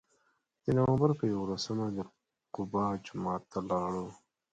د نوامبر په یولسمه د قبا جومات ته لاړو.